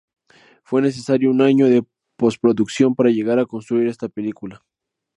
Fue necesario un año de posproducción para llegar a construir esta película.